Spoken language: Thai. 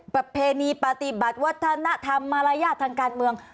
ประเพณีปฏิบัติวัฒนธรรมมารยาททางการเมือง